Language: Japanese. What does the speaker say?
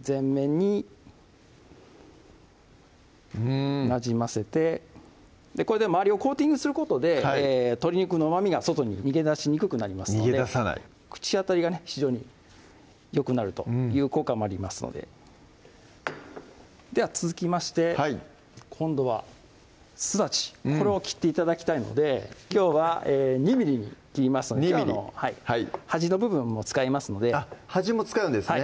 全面になじませてこれで周りをコーティングすることで鶏肉のうまみが外に逃げだしにくくなりますので口当たりがね非常によくなるという効果もありますのででは続きましてはい今度はすだちこれを切って頂きたいのできょうは２ｍｍに切りますので２ｍｍ端の部分も使いますのであっ端も使うんですね